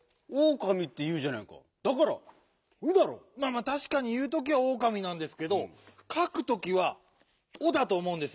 まあたしかにいうときは「おうかみ」なんですけどかくときは「お」だとおもうんですよ。